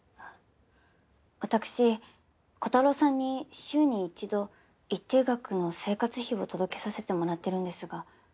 私コタローさんに週に一度一定額の生活費を届けさせてもらってるんですが。